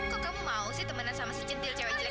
kok kamu mau sih temenan sama sejentil cewek cewek ini